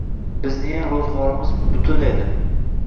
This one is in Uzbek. Bizniyam roʻzgʻorimiz butun edi.